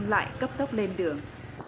lại cấp tốc lên đường